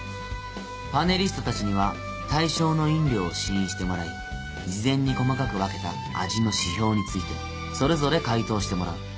パネリストたちには対象の飲料を試飲してもらい事前に細かく分けた味の指標についてそれぞれ回答してもらう。